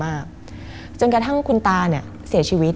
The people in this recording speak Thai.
มันกลายเป็นรูปของคนที่กำลังขโมยคิ้วแล้วก็ร้องไห้อยู่